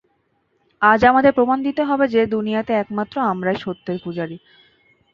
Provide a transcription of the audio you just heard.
আজ আমাদের প্রমাণ দিতে হবে যে, দুনিয়াতে একমাত্র আমরাই সত্যের পূজারী।